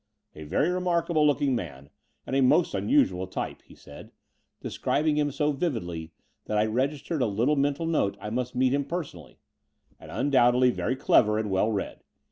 A very remarkable looking man and a most unusual type," he said, describing him so vividly that I registered a little mental note I must meet him personally, and undoubtedly very clever and well read.